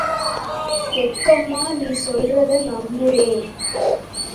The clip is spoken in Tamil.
செக்கம்மா... நீ சொல்றத நம்புறேன்.